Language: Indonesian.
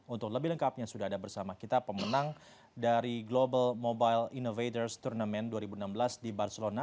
untuk lebih lengkapnya sudah ada bersama kita pemenang dari global mobile innovators turnamen dua ribu enam belas di barcelona